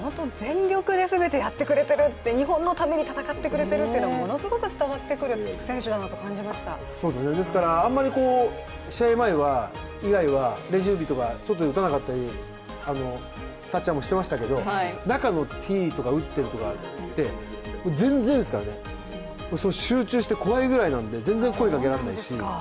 全力で全てやってくれていると、日本のために戦ってくれているって、ものすごく伝わってくる選手だなと感じましたそうですね、ですからあんまり試合以外は練習日とかでは外で打たなかったり、たっちゃんもしていましたけど、中のティーとか打ってるときって全然ですからね、集中して怖いぐらいなんで全然声かけられないし。